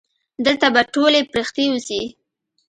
دلته به ټولې پرښتې اوسي.